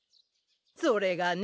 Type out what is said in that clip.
それがね